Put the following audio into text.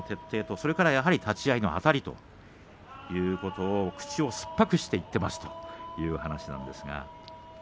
それから立ち合いのあたりということを口を酸っぱくして言っていますという話なんです。